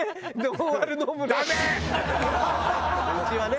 うちはね。